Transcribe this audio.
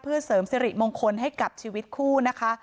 เพื่อเสริมสิริมงคลให้กับชีวิตคู่นะคะ